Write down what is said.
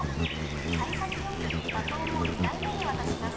幸先よくバトンを２台目に渡します。